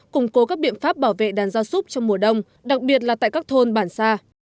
củng cố các biện pháp bảo vệ đàn gia súc trong mùa đông đặc biệt là tại các thôn bản xa